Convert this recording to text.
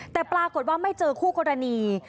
แต่ปรากฏว่าไม่เจอคู่กรณี